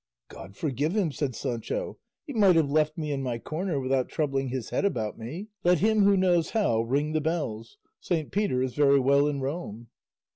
"God forgive him," said Sancho; "he might have left me in my corner without troubling his head about me; 'let him who knows how ring the bells; 'Saint Peter is very well in Rome.